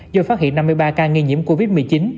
do phát hiện năm mươi ba ca nghi nhiễm covid một mươi chín